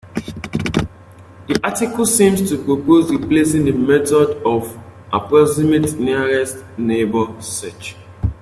The article seems to propose replacing the method of approximate nearest neighbor search.